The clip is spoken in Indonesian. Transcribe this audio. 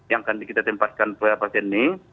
yang akan kita tempatkan pada pasien ini